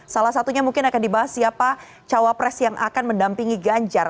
salah satunya mungkin akan dibahas siapa cawapres yang akan mendampingi ganjar